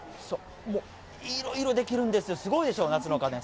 もういろいろできるんですよ、すごいでしょ、夏の家電。